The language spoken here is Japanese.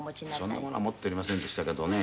そんなものは持っておりませんでしたけどね